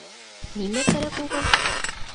Нимә кәрәк уға?